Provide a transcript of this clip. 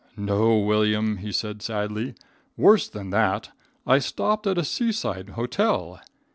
"No, William," he said sadly, "worse than that. I stopped at a seaside hotel.